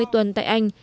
năm mươi tuần tại anh